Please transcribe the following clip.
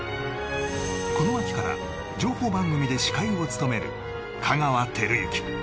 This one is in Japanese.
この秋から情報番組で司会を務める香川照之